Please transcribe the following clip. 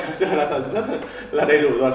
các bạn cảm thấy là đầy đủ rồi